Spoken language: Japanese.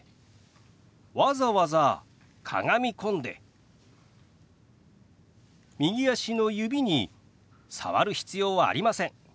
わざわざかがみ込んで右足の指に触る必要はありません。